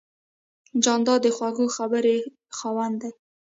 جانداد د خوږې خبرې خاوند دی.